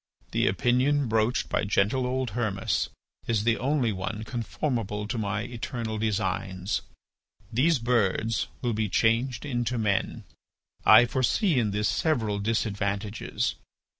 "The opinion broached by gentle old Hermas is the only one conformable to my eternal designs. These birds will be changed into men. I foresee in this several disadvantages.